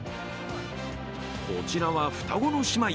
こちらは双子の姉妹。